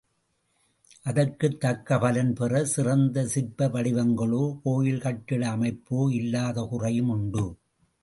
அதற்குத் தக்க பலன் பெற சிறந்த சிற்ப வடிவங்களோ, கோயில் கட்டிட அமைப்போ இல்லாத குறையும் உண்டு.